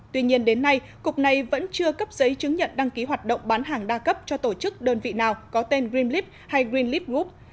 tuy nhiên đến nay cục này vẫn chưa cấp giấy chứng nhận đăng ký hoạt động bán hàng đa cấp cho tổ chức đơn vị nào có tên gremlip hay greenleat group